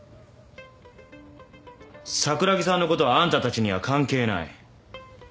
桜木さんのことはあんたたちには関係ない。